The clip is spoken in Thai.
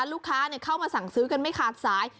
ลูกค้าเข้ามาสั่งซื้อกันไม่ขาดสาย